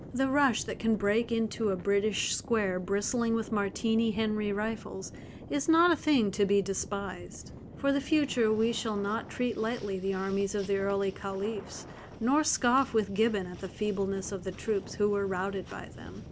The rush that can break into a British square bristling with Martini Henry rifles is not a thing to be despised. For the future we shall not treat lightly the armies of the early Caliphs, nor scoff with Gibbon at the feebleness of the troops who were routed by them.